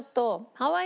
ハワイ